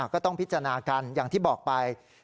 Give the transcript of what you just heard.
ก็ต้องพิจารณากันอย่างที่บอกไป